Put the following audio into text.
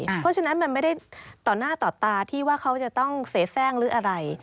เพราะฉะนั้นมันไม่ได้ต่อหน้าต่อตาที่ว่าเขาจะต้องเสียแทรกหรืออะไร